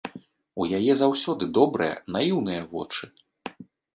У яе заўсёды добрыя, наіўныя вочы.